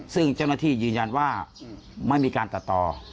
ซึ่งเจ้าหน้าที่ยืนยันว่าไม่มีการตัดต่อ